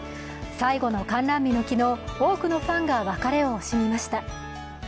最後の観覧日の昨日、多くのファンが別れを惜しみました。